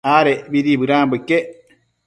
Adecbidi bëdanbo iquec